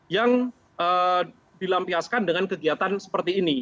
yang dilampiaskan dengan kegiatan seperti ini